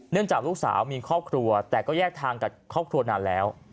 จากลูกสาวมีครอบครัวแต่ก็แยกทางกับครอบครัวนานแล้ว